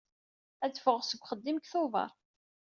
Ad ffɣeɣ seg uxeddim deg tubeṛ.